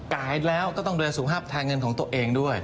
หายแล้วก็ต้องดูแลสุขภาพแทนเงินของตัวเองด้วย